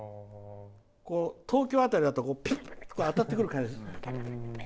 東京辺りだとピューッと当たってくる感じがする。